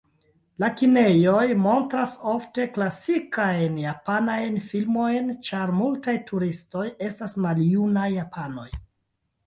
La kinejoj montras ofte klasikajn japanajn filmojn, ĉar multaj turistoj estas maljunaj japanoj.